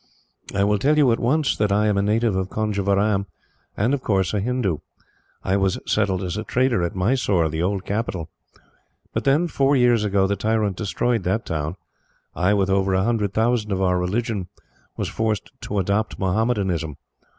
I will tell you at once that I am a native of Conjeveram and, of course, a Hindoo. I was settled as a trader at Mysore, the old capital. But when, four years ago, the tyrant destroyed that town, I, with over a hundred thousand of our religion, was forced to adopt Mohammedanism.